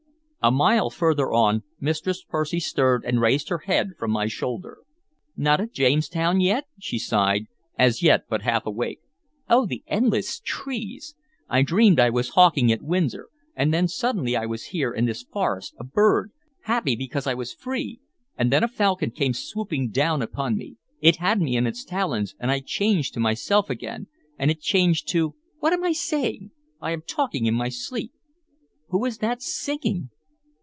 A mile further on, Mistress Percy stirred and raised her head from my shoulder. "Not at Jamestown yet?" she sighed, as yet but half awake. "Oh, the endless trees! I dreamed I was hawking at Windsor, and then suddenly I was here in this forest, a bird, happy because I was free; and then a falcon came swooping down upon me, it had me in its talons, and I changed to myself again, and it changed to What am I saying? I am talking in my sleep. Who is that singing?"